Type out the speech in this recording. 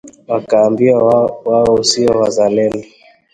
wakaambiwa wao si wazalendo